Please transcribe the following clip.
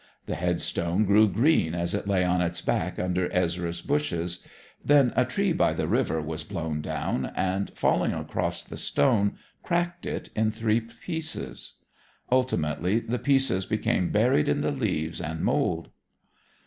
The headstone grew green as it lay on its back under Ezra's bushes; then a tree by the river was blown down, and, falling across the stone, cracked it in three pieces. Ultimately the pieces became buried in the leaves and mould.